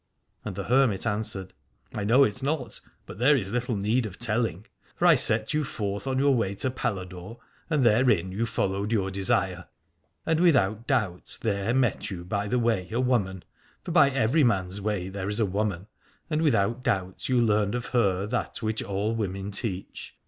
And the hermit answered : I know it not, but there is little need of telling. For I set you forth on your way to Paladore, and therein you followed your desire: and without doubt there met you by the way a woman, for by every man's way there is a woman, and without doubt you learned of her that which all women teach.